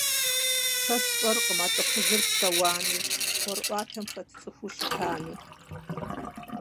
Сэ сщӀэркъым, а лӀыхъужьыр псэуами ӀуэрыӀуатэм хэт цӀыхуу щытми.